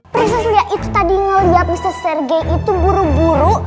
prinses lia itu tadi ngeliat mister srege itu buru buru